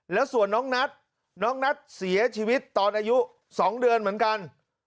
แล้วส่วนน้องนัทน้องนัทเสียชีวิตตอนอายุ๒เดือนเหมือนกัน